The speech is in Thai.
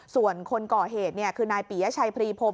ส่วนคนก่อเหตุคือนายปียชัยพรีพรม